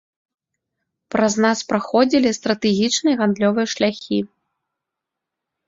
Праз нас праходзілі стратэгічныя гандлёвыя шляхі.